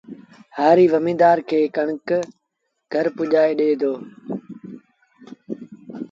هآريٚ ڪڻڪ زميݩدآر کي گھر پُڄآئي ڏي دو